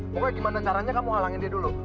pokoknya gimana caranya kamu halangin dia dulu